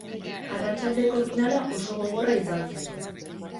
Arratsaldeko finala oso gogorra izan zen.